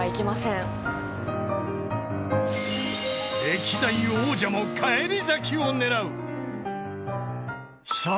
［歴代王者も返り咲きを狙う］